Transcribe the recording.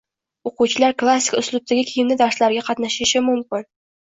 O‘quvchilar klassik uslubdagi kiyimda darslarga qatnashishi mumkin